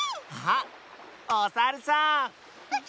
あっおさるさん！